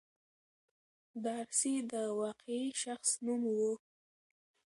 دارسي د واقعي شخص نوم و.